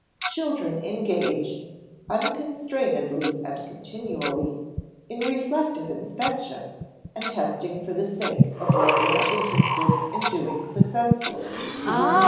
Children engage, unconstrainedly and continually, in reflective inspection and testing for the sake of what they are interested in doing successfully.